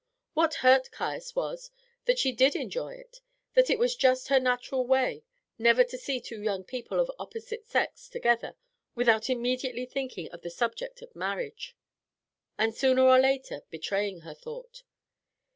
What hurt Caius was that she did enjoy it, that it was just her natural way never to see two young people of opposite sex together without immediately thinking of the subject of marriage, and sooner or later betraying her thought.